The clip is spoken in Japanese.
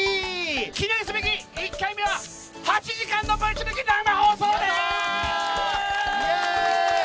記念すべき１回目は８時間のぶち抜き生放送です。